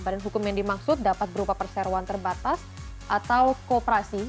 badan hukum yang dimaksud dapat berupa perseroan terbatas atau kooperasi